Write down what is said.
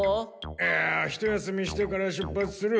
いや一休みしてから出発する。